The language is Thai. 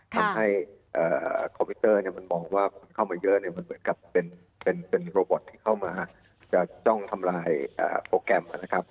ทำให้คอมพิวเตอร์มันมองว่าคนเข้ามาเยอะเนี่ยมันเหมือนกับเป็นโรบอทที่เข้ามาจะจ้องทำลายโปรแกรมนะครับ